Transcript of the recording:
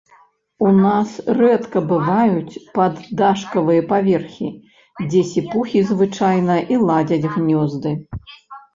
У нас рэдка бываюць паддашкавыя паверхі, дзе сіпухі звычайна і ладзяць гнёзды.